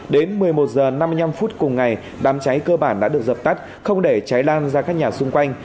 đến một mươi một h năm mươi năm phút cùng ngày đám cháy cơ bản đã được dập tắt không để cháy lan ra các nhà xung quanh